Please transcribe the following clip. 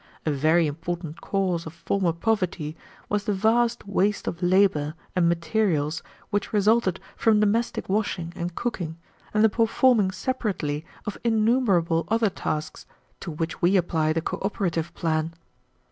"A very important cause of former poverty was the vast waste of labor and materials which resulted from domestic washing and cooking, and the performing separately of innumerable other tasks to which we apply the cooperative plan.